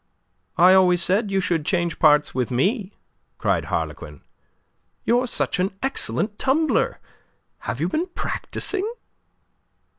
"I always said you should change parts with me," cried Harlequin. "You're such an excellent tumbler. Have you been practising?"